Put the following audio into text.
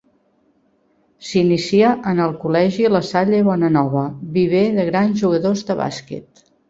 S'inicia en el Col·legi La Salle Bonanova, viver de grans jugadors de bàsquet.